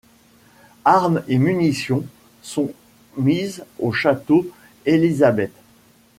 Armes et munitions sont mises au château Elisabet.